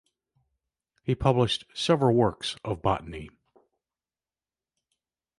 He published several works of botany.